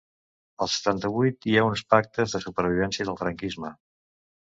Al setanta-vuit hi ha uns pactes de supervivència del franquisme.